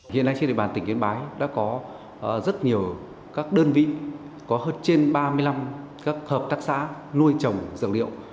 hiện nay trên địa bàn tỉnh yên bái đã có rất nhiều các đơn vị có hơn trên ba mươi năm các hợp tác xã nuôi trồng dược liệu